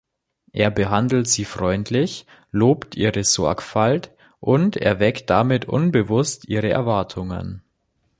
Er behandelt sie freundlich, lobt ihre Sorgfalt und erweckt damit unbewusst ihre Erwartungen.